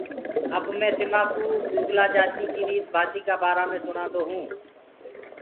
اب مي تمآڪوُ گُرگُلآ جآتيٚ ڪي ريت ڀآتيٚ ڪآ بآرآ مي سُڻاندو هونٚ۔